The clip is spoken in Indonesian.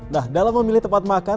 nah dalam memilih tempat makan